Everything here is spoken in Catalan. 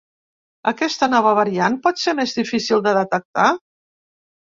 Aquesta nova variant pot ser més difícil de detectar?